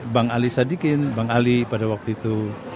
bang alisa di kin bang ali pada waktu itu